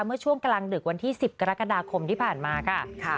เมื่อช่วงกลางดึกวันที่๑๐กรกฎาคมที่ผ่านมาค่ะ